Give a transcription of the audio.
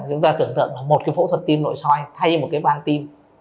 chúng ta tưởng tượng là một cái phẫu thuật tim nội soi thay một cái vàng tim